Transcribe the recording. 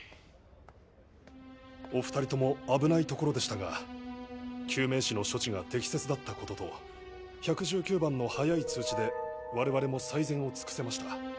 お２人とも危ないところでしたが救命士の処置が適切だった事と１１９番の早い通知で我々も最善を尽くせました。